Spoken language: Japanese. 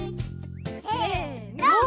せの。